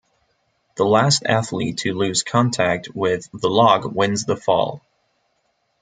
The last athlete to lose contact with the log wins the fall.